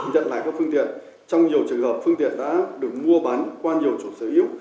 nhận lại các phương tiện trong nhiều trường hợp phương tiện đã được mua bán qua nhiều chủ sở hữu